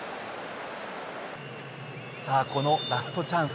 さあこのラストチャンス。